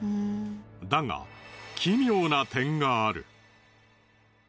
だが奇妙な点がある。